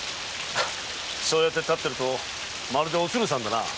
そうやって立ってるとまるで“お鶴さん”だな。